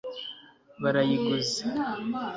barayiguze